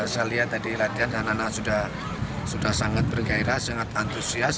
saya lihat tadi latihan anak anak sudah sangat bergairah sangat antusias